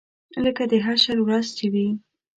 لکه د حشر ورځ چې وي.